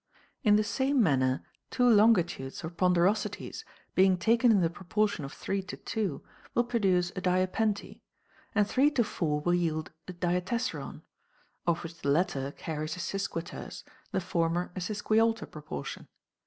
In the same manner two longitudes or pon derosities, being taken in the proportion of 3 : 2, will pro duce a diapente ; and three to four will yield a diatessaron ; of which the latter carries a sesquiterce, the former a ses quialter proportion.